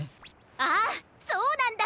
ああそうなんだ！